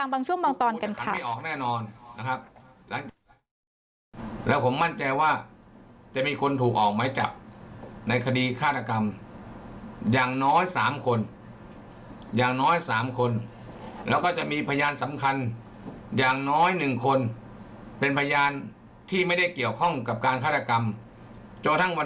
พาคุณผู้ชมไปฟังบางช่วงบางตอนกันค่ะ